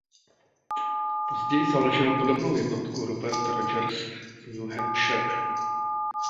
Později založil podobnou jednotku Robert Rogers z New Hampshire.